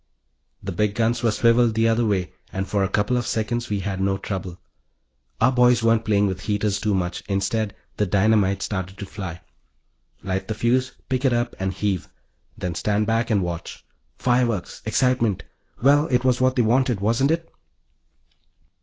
The big guns were swiveled the other way and for a couple of seconds we had no trouble. Our boys weren't playing with heaters too much; instead, the dynamite started to fly. Light the fuse, pick it up, heave and then stand back and watch. Fireworks. Excitement. Well, it was what they wanted, wasn't it?